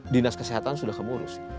dinas kesehatan sudah kamu urus